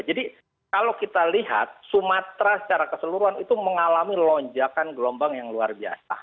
jadi kalau kita lihat sumatera secara keseluruhan itu mengalami lonjakan gelombang yang luar biasa